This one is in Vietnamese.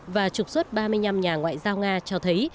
và trục xuất ba mươi năm nhà ngoại giao nga cho thấy